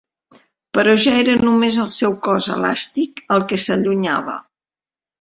Però ja era només el seu cos elàstic, el que s'allunyava.